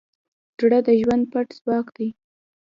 زړه د ژوند پټ ځواک دی.